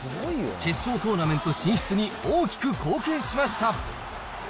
決勝トーナメント進出に大きく貢献しました。